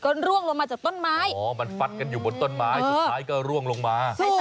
ก็ร่วงลงมาจากต้นไม้อ๋อมันฟัดกันอยู่บนต้นไม้สุดท้ายก็ร่วงลงมา